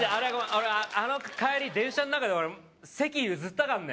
俺あの帰り電車の中で席譲ったかんね